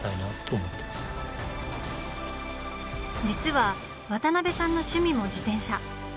実は渡辺さんの趣味も自転車。